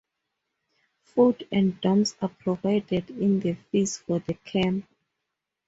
Food and dorms are provided in the fees for the camp.